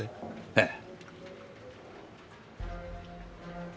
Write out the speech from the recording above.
ええ。